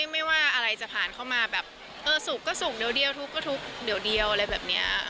ไม่ว่าอะไรจะผ่านเข้ามาแบบสุกก็สุกเดี๋ยวเดียวทุกก็ทุกเดี๋ยวอะไรแบบนี้